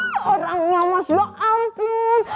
waaa orangnya mas ya ampun